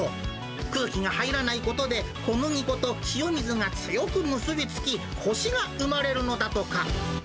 空気が入らないことで、小麦粉と塩水が強く結び付き、こしが生まれるのだとか。